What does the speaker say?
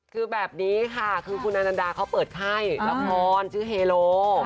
คือแบบนี้ค่ะคุณอันดาร์เขาเปิดไข้ละครชื่อเฮโร่